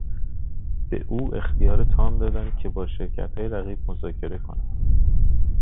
به او اختیار تام دادند که با شرکتهای رقیب مذاکره کند.